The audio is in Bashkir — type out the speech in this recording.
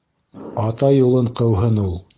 Ата юлын ҡыуһын ул.